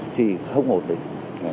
thì không ổn định